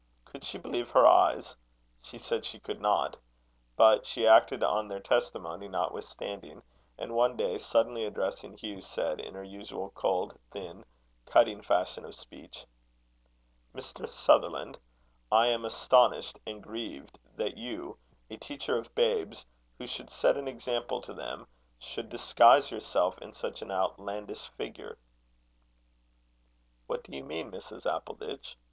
Could she believe her eyes? She said she could not. But she acted on their testimony notwithstanding; and one day suddenly addressing Hugh, said, in her usual cold, thin, cutting fashion of speech: "Mr. Sutherland, I am astonished and grieved that you, a teacher of babes, who should set an example to them, should disguise yourself in such an outlandish figure." "What do you mean, Mrs. Appleditch?"